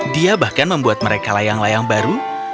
dia bahkan membuat mereka layang layang baru